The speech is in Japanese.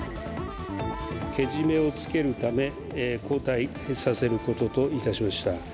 けじめをつけるため、交代させることといたしました。